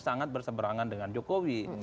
sangat berseberangan dengan jokowi